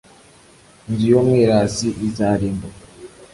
inzu y’umwirasi izarimbuka.